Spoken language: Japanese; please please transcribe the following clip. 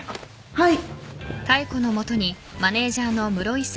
はい。